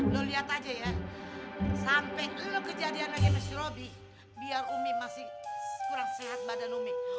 lu lihat aja ya sampai kalau kejadian lagi mas robi biar umi masih kurang sehat pada umi